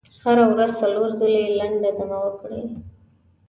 هره ورځ څلور ځلې لنډه دمه وکړئ.